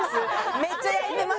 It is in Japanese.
めっちゃ焼いてます。